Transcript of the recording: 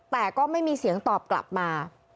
แต่ก็ไม่มีเสียงตอบกลับมา